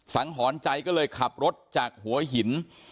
สังหรณ์ใจก็เลยขับรถจากหัวหิน